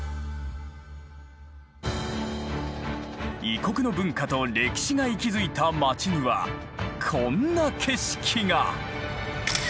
異国の文化と歴史が息づいたまちにはこんな景色が。